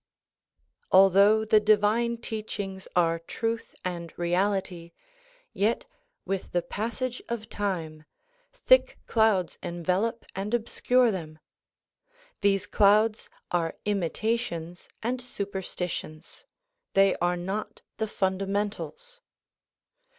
Although the divine teachings are truth and reality, yet with DISCOURSES DELIVERED IN WASHINGTON 59 the passage of time thick clouds envelop and obscure them. These clouds are imitations and superstitions; they are not the funda mentals.